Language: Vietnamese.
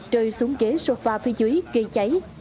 trời xuống ghế sofa phía dưới gây cháy